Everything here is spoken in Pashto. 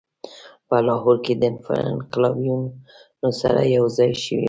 په لاهور کې له انقلابیونو سره یوځای شوی وو.